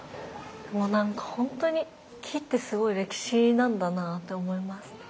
もう何かほんとに木ってすごい歴史なんだなって思います。